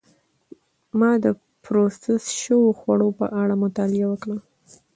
ما د پروسس شوو خوړو په اړه مطالعه وکړه.